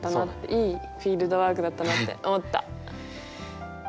いいフィールドワークだったなって思った。